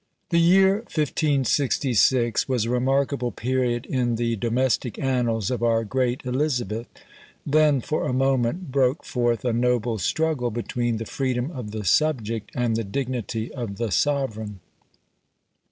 The year 1566 was a remarkable period in the domestic annals of our great Elizabeth; then, for a moment, broke forth a noble struggle between the freedom of the subject and the dignity of the sovereign.